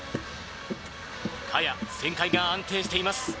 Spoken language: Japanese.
萱旋回が安定しています。